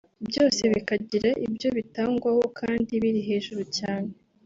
byose bikagira ibyo bitangwaho kandi biri hejuru cyane